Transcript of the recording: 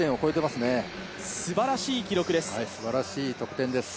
すばらしい得点です。